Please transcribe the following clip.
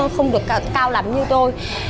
không được cao lắm như tôi